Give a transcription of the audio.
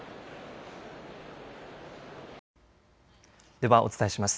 ではお伝えします。